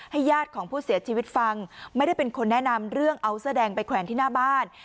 ญาติของผู้เสียชีวิตฟังไม่ได้เป็นคนแนะนำเรื่องเอาเสื้อแดงไปแขวนที่หน้าบ้าน